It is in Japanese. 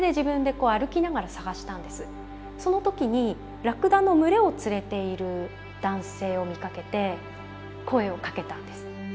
その時にラクダの群れを連れている男性を見かけて声をかけたんです。